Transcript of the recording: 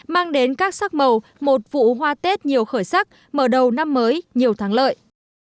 mang đến các sắc màu một vụ hoa tết nhiều khởi sắc mở đầu năm mới nhiều thắng lợi